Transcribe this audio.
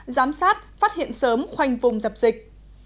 giám sát phát hiện sớm khoanh vùng dập dịch